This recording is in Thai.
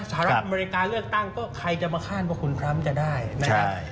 สหรัฐอเมริกาเลือกตั้งก็ใครจะมาคาดว่าคุณทรัมป์จะได้นะครับ